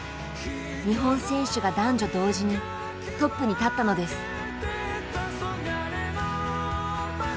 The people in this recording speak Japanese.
日本選手が男女同時にトップに立ったのです。